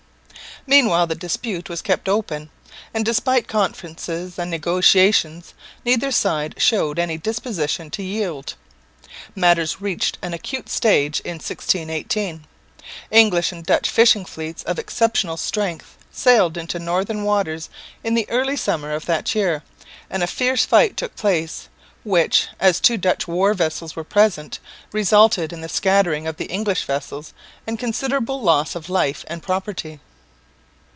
Meanwhile the dispute was kept open; and despite conferences and negotiations neither side showed any disposition to yield. Matters reached an acute stage in 1618. English and Dutch fishing fleets of exceptional strength sailed into the northern waters in the early summer of that year, and a fierce fight took place, which, as two Dutch war vessels were present, resulted in the scattering of the English vessels and considerable loss of life and property.